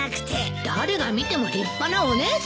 誰が見ても立派なお姉さんでしょ？